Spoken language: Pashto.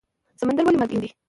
سمندر ولې مالګین دی؟